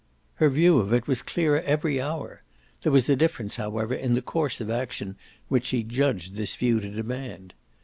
Her view of it was clearer every hour; there was a difference however in the course of action which she judged this view to demand.